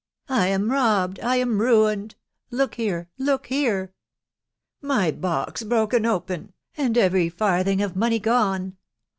" I am robbed — I am ruined !.... Look here !•••. look here !.... my box broken open, and every farthing of money gone.